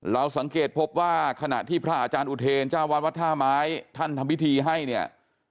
เราสังเกตพบว่าขณะที่พระอาจารย์อุเทรนเจ้าวัดวัดท่าไม้ท่านทำพิธีให้เนี่ย